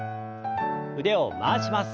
腕を回します。